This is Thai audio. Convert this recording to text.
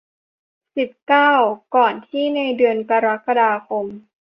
สิบเก้า ก่อนที่ในเดือนกรกฎาคม